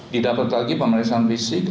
didapat lagi pemeriksaan fisik